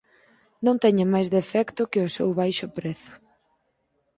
Non teñen máis defecto que o seu baixo prezo.